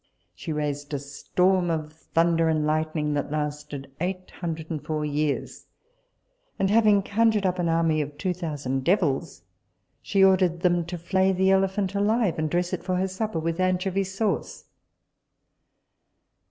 She raised a storm of thunder and lightning that lasted eight hundred and four years; and having conjured up an army of two thousand devils, she ordered them to flay the elephant alive, and dress it for her supper with anchovy sauce.